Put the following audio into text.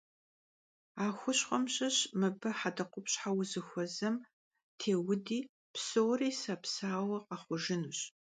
A xuşxhuem şış mıbı hedekhupşheu vuzıxuezem têudi psori sapsauue khexhujjınuş.